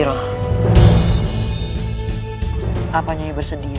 apakah saya bersedia